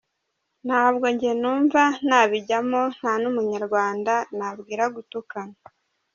" Ntabwo njye numva nabijyamo nta n’umunyarwanda nabwira gutukana.